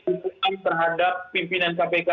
hubungan terhadap pimpinan kpk